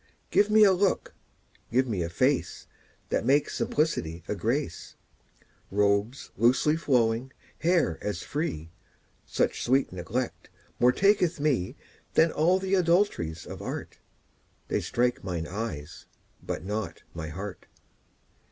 Give me a look, give me a face That makes simplicity a grace; Robes loosely flowing, hair as free: Such sweet neglect more taketh me 10 Than all th' adulteries of art; They strike mine eyes, but not my heart.